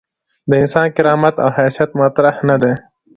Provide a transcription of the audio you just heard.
د انسان کرامت او حیثیت مطرح نه دي.